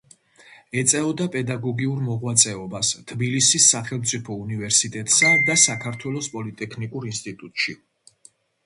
ეწეოდა პედაგოგიურ მოღვაწეობას თბილისის სახელმწიფო უნივერსიტეტსა და საქართველოს პოლიტექნიკურ ინსტიტუტში.